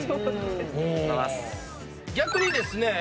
逆にですね